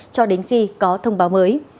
cho đến khi có thông báo mới